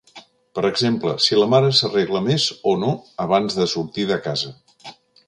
Per exemple, si la mare s'arregla més o no abans de sortir de casa.